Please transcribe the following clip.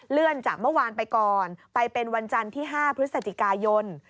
จากเมื่อวานไปก่อนไปเป็นวันจันทร์ที่๕พฤศจิกายน